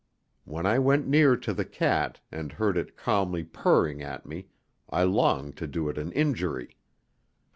When I went near to the cat, and heard it calmly purring at me, I longed to do it an injury.